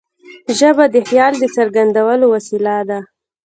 ژبه د خیال د څرګندولو وسیله ده.